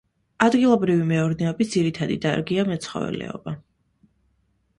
ადგილობრივი მეურნეობის ძირითადი დარგია მეცხოველეობა.